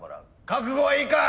覚悟はいいか？